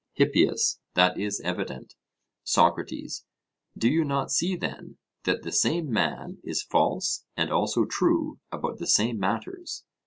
HIPPIAS: That is evident. SOCRATES: Do you not see, then, that the same man is false and also true about the same matters?